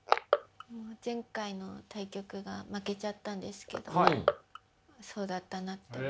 前回の対局が負けちゃったんですけどそうだったなって。